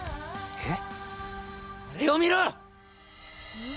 えっ！？